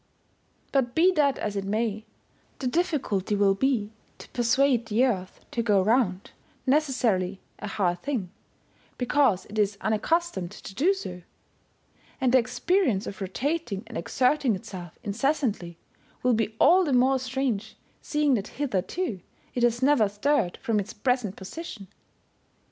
But be that as it may, the difficulty will be to persuade the Earth to go round, necessarily a hard thing, because it is unaccus tomed to do so ; and the experience of rotating and exerting itself incessantly will be all the more strange, seeing that hitherto it has never stirred from its present position.